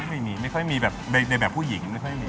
ไม่ค่อยมีแบบในแบบผู้หญิงไม่ค่อยมี